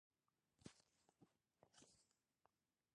د پخلي یو مهارت په خوړو کې د مسالې اندازه ټاکل دي.